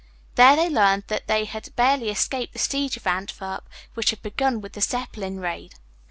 There they learned that they had barely escaped the siege of Antwerp, which had begun with the Zeppelin raid.